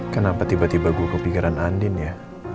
kenapa tiba tiba gue kepikiran andin ya